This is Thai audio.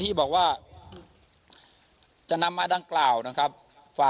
ที่บอกว่า